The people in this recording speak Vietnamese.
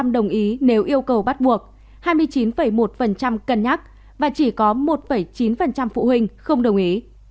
đồng ý nếu yêu cầu bắt buộc hai mươi chín một cân nhắc và chỉ có một chín phụ huynh không đồng ý